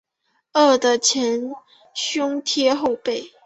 饿得前胸贴后背